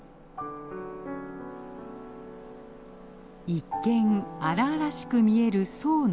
一見荒々しく見える左右の自然。